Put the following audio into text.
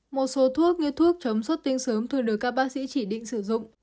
một số thuốc như thuốc chống sốt tinh sớm thường được các bác sĩ chỉ định sử dụng